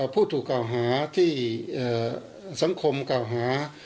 ผู้ถูกกล่าวหาที่สังคมเก่าหา